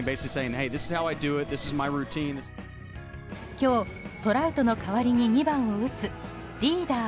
今日、トラウトの代わりに２番を打つリーダー